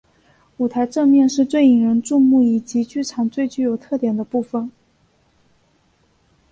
舞台正面是最引人注目以及剧场最具有特点的部分。